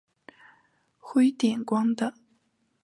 徽典馆的。